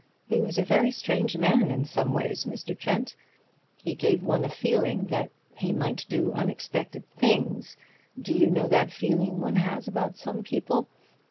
He was a very strange man in some ways, Mr. Trent. He gave one a feeling that he might do unexpected things do you know that feeling one has about some people?...